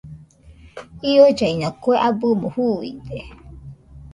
Iollaiño kue abɨmo juuide.